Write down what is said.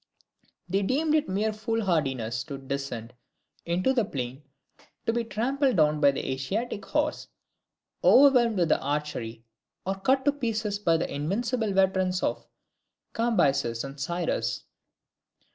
They deemed it mere foolhardiness to descend into the plain to be trampled down by the Asiatic horse, overwhelmed with the archery, or cut to pieces by the invincible veterans of Cambyses and Cyrus.